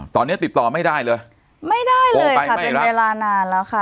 ตอนนี้ติดต่อไม่ได้เลยไม่ได้โทรไปเวลานานแล้วค่ะ